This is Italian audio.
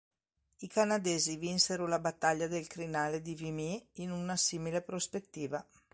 I canadesi vinsero la battaglia del crinale di Vimy in una simile prospettiva.